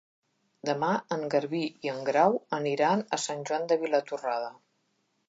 Demà en Garbí i en Grau aniran a Sant Joan de Vilatorrada.